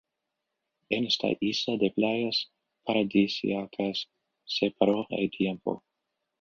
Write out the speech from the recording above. En esta isla de playas paradisiacas se paró el tiempo